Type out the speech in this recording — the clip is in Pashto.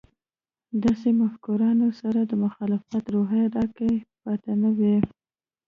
داسې مفکرانو سره د مخالفت روحیه راکې پاتې نه وه.